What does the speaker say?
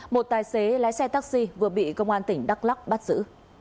một tài xế lái xe taxi vừa bị công an tỉnh đắk lắc bắt giữ